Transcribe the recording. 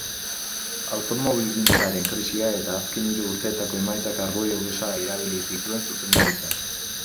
Automobilgintzaren krisia eta azken hiru urteetako emaitzak argudio gisa erabili zituen zuzendaritzak.